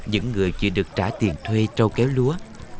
những người chỉ được trả tiền thuê trâu kéo lúa